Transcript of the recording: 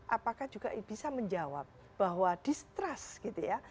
apakah juga bisa menjawab bahwa distrust gitu ya